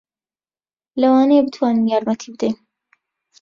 لەوانەیە بتوانین یارمەتی بدەین.